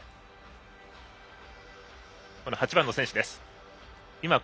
８番の選手です。